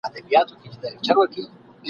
غلیم تر نورو د خپل ضمیر وي !.